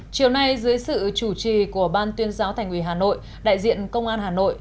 chiều nay dưới sự chủ trì của ban tuyên giáo thành ủy hà nội đại diện công an hà nội